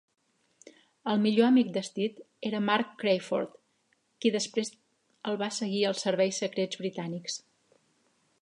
El millor amic de Steed era Mark Crayford, qui després el va seguir als serveis secrets britànics.